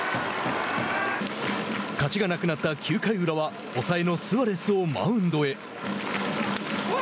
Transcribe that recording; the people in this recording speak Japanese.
勝ちがなくなった９回裏は抑えのスアレスをマウンドへ。